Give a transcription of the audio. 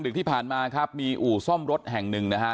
ที่ผ่านมาครับมีอู่ซ่อมรถแห่งหนึ่งนะฮะ